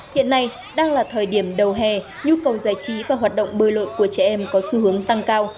hiện nay đang là thời điểm đầu hè nhu cầu giải trí và hoạt động bơi lội của trẻ em có xu hướng tăng cao